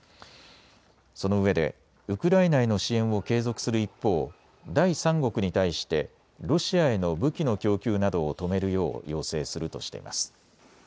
そのうえでウクライナへの支援を継続する一方、第三国に対してロシアへの武器の供給などを止めるよう要請するとしています。